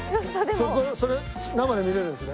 それ生で見れるんですね。